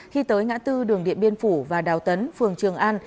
khi tới ngã tư đường điện biên phủ và đào tấn phường trường an